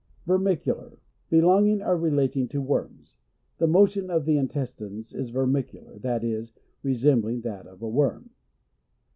Vermicular Belonging or relating to worms. The motion of the in. testines is vermicular, that is, re sembling that of a worm.